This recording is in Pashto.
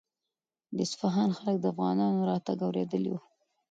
د اصفهان خلک د افغانانو راتګ اورېدلی و.